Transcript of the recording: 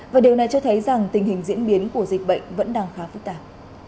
và điều này cho thấy rằng tình hình diễn biến của dịch bệnh vẫn đang khá phức tạp